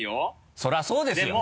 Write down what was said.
それはそうですよ。